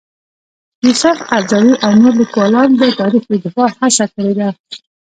یوسف قرضاوي او نور لیکوالان د تاریخ د دفاع هڅه کړې ده.